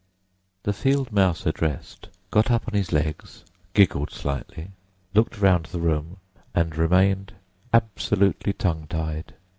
The field mouse addressed got up on his legs, giggled shyly, looked round the room, and remained absolutely tongue tied.